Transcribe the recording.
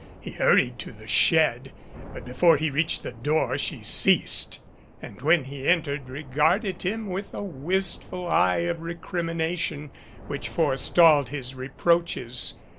He hurried to the shed, but before he reached the door she ceased, and when he entered regarded him with a wistful eye of recrimination which forestalled his reproaches.